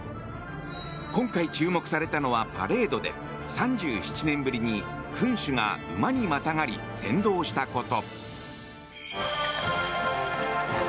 今回、注目されたのはパレードで３７年ぶりに君主が馬にまたがり先導したこと。